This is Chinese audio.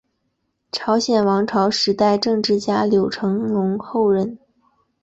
朝鲜王朝时代政治家柳成龙后人。